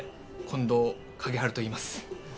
近藤影治といいます。